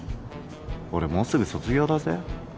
俺もうすぐ卒業だぜ。